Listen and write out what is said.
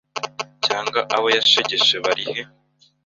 cyangwa abo yashegeshe barihe